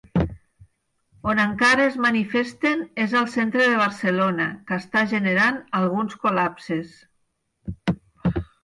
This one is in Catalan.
On encara es manifesten és al centre de Barcelona, que està generant alguns col·lpases.